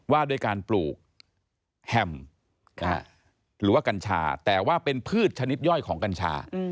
ว่าด้วยการปลูกแฮมหรือว่ากัญชาแต่ว่าเป็นพืชชนิดย่อยของกัญชา